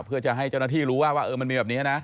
เพื่อจะให้เจ้าหน้าที่รู้ว่ามันมีแบบนี้นะ